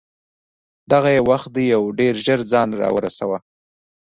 دغه یې وخت دی او ډېر ژر ځان را ورسوه.